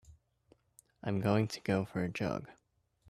I'm going to go for a jog.